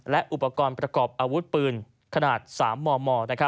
และอุปกรณ์ประกอบอาวุธปืนขนาด๓มม